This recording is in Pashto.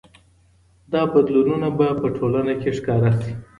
دا بدلونونه به په ټولنه کي ښکاره سي.